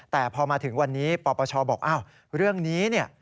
แต่พอมาถึงวันนี้ปปชบอกอ้าวเรื่องนี้เนี่ย